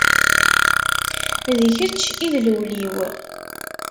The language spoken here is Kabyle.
D kečč i d lwel-iw.